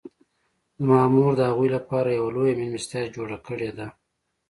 زما مور د هغوی لپاره یوه لویه میلمستیا جوړه کړې ده